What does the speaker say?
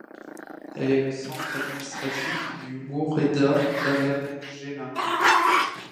Elle est le centre administratif du woreda d'Alem Gena.